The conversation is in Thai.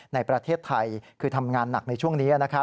ในประเทศไทยคือทำงานหนักในช่วงนี้